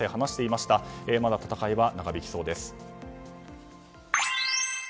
まだ戦いは長引きそうです。